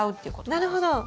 なるほど。